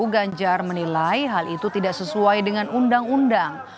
ganjar menilai hal itu tidak sesuai dengan undang undang